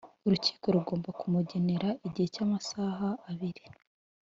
Urukiko rugomba kumugenera igihe cy’amasaha abiri